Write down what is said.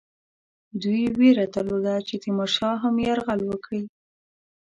دوی وېره درلوده چې تیمورشاه هم یرغل وکړي.